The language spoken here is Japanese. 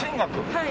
はい。